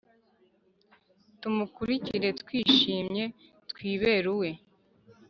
Tumukurikire twishimye, twibere uwe